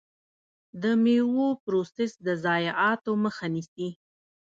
د میوو پروسس د ضایعاتو مخه نیسي.